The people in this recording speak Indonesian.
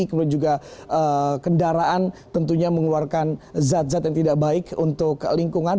kemudian juga kendaraan tentunya mengeluarkan zat zat yang tidak baik untuk lingkungan